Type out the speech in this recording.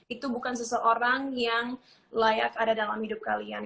itu bukan seseorang yang layak ada dalam hidup kalian